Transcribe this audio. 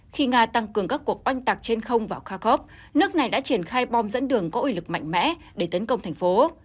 khi nga tăng cường các cuộc oanh tạc trên không vào khakhov nước này đã triển khai bom dẫn đường có uy lực mạnh mẽ để tấn công thành phố